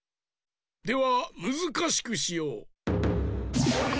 ではむずかしくしよう。